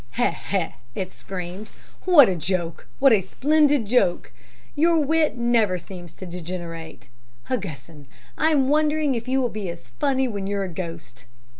"'He, he!' it screamed. 'What a joke what a splendid joke. Your wit never seems to degenerate, Hugesson! I'm wondering if you will be as funny when you're a ghost.